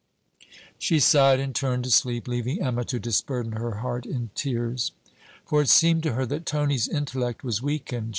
She sighed and turned to sleep, leaving Emma to disburden her heart in tears. For it seemed to her that Tony's intellect was weakened.